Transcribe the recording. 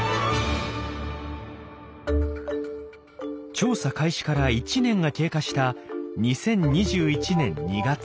調査開始から１年が経過した２０２１年２月。